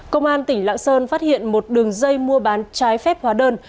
công an tp hcm phát hiện một đường dây mua bán trái phép hóa đơn